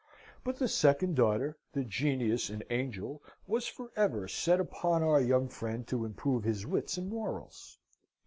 But the second daughter, the Genius and Angel, was for ever set upon our young friend to improve his wits and morals.